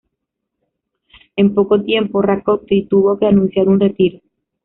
En poco tiempo, Rákóczi tuvo que anunciar un retiro.